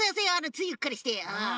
ついうっかりして。